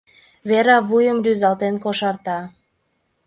— Вера вуйым рӱзалтен кошарта.